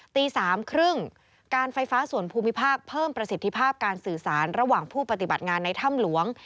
ตี๓๓๐การไฟฟ้าส่วนภูมิภาคเพิ่มประสิทธิภาพการสื่อสารระหว่างผู้ปฏิบัติงานในถ้ำหลวง